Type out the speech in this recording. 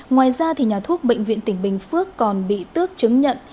ngoài ra nhà thuốc bệnh viện tỉnh bình phước còn bị tước chứng nhận